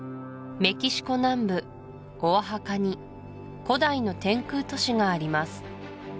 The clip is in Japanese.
メキシコ南部オアハカに古代の天空都市があります